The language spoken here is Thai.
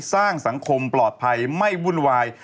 สร้างสังคมปลอดภัยไม่วุ่นวาย